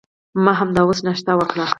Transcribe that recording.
ما همدا اوس ناشته وکړه.